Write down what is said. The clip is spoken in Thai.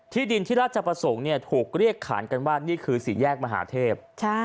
ดินที่ราชประสงค์ถูกเรียกขานกันว่านี่คือสี่แยกมหาเทพ